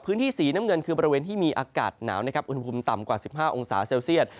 พื้นที่สีน้ำเงินคือบริเวณที่มีอากาศหนาวนะครับอุณหภูมิต่ำกว่า๑๕องศาเซลเซียต